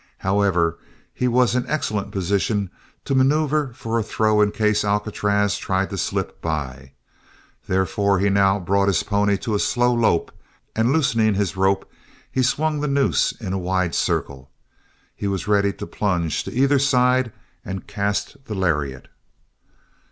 However, he was in excellent position to maneuver for a throw in case Alcatraz tried to slip by. Therefore he now brought his pony to a slow lope, and loosening his rope, he swung the noose in a wide circle; he was ready to plunge to either side and cast the lariat.